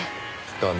だね。